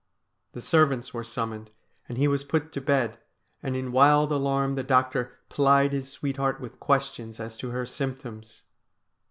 The servants were summoned, and he was put to bed, and in wild alarm the doctor plied his sweetheart with questions as to her symptoms.